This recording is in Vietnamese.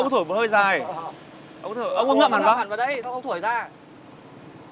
ông thổi đi ông cứ hít vào thế